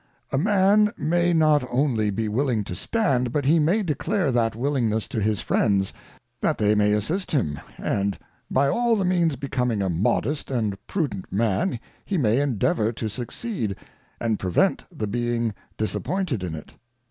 A Man may not only be willing to stand, but he may declare that willingness to his Friends, that they may assist him, and by all the means becoming a modest and prudent Man, he may endeavour to succeed, and prevent the being disappointed in it.